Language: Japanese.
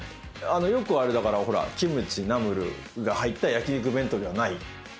よくあるだからほらっキムチナムルが入った焼き肉弁当ではない。